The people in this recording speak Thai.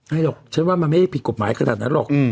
หรอกฉันว่ามันไม่ได้ผิดกฎหมายขนาดนั้นหรอก